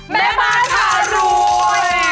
เมลเบิ้ดาทะรวย